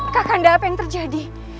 kakanda apa yang terjadi